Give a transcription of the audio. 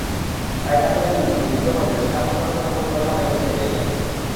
তাই তাদের বিরুদ্ধে যুদ্ধ করতে সেনা পাঠানোর কোনো পরিকল্পনা নেই অস্ট্রেলিয়ার।